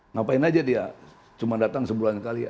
ngapain aja dia cuma datang sebulan kali ya